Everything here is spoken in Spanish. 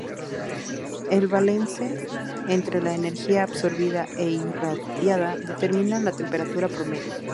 El balance entre la energía absorbida e irradiada determina la temperatura promedio.